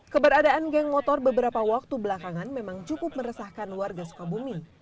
keberadaan geng motor beberapa waktu belakangan memang cukup meresahkan warga sukabumi